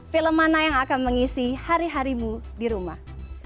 film mana yang akan mengisi hari harimu di rumah